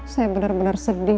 saya bener bener sedih